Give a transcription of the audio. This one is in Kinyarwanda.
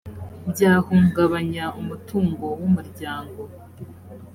byahungabanya umutungo w umuryango